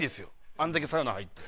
あんだけサウナ入って。